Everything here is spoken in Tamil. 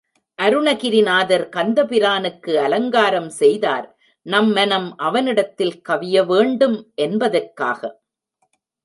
அருணகிரிநாதர் கந்தபிரானுக்கு அலங்காரம் செய்தார், நம் மனம் அவனிடத்திலே கவிய வேண்டும் என்பதற்காக.